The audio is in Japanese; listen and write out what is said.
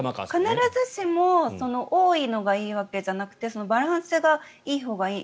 必ずしも多いのがいいわけじゃなくてバランスがいいほうがいい。